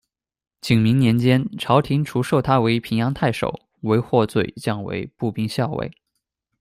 景明年间，朝廷除授他为平阳太守，惟获罪降为步兵校尉。